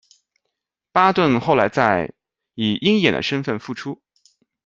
巴顿后来在《》以鹰眼的身份复出。